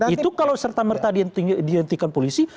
itu kalau serta merta dihentikan polisi